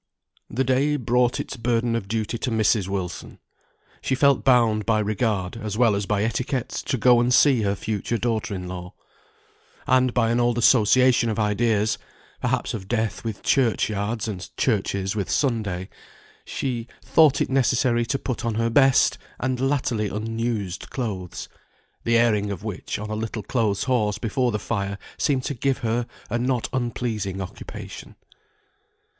The day brought its burden of duty to Mrs. Wilson. She felt bound by regard, as well as by etiquette, to go and see her future daughter in law. And by an old association of ideas (perhaps of death with church yards, and churches with Sunday) she thought it necessary to put on her best, and latterly unused clothes, the airing of which on a little clothes horse before the fire seemed to give her a not unpleasing occupation.